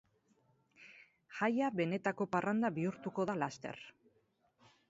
Jaia benetako parranda bihurtuko da laster.